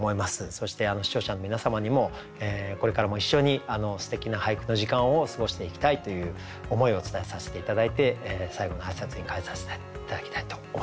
そして視聴者の皆様にもこれからも一緒にすてきな俳句の時間を過ごしていきたいという思いを伝えさせて頂いて最後の挨拶に代えさせて頂きたいと思います。